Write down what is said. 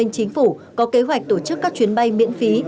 chính phủ có kế hoạch tổ chức các chuyến bay miễn phí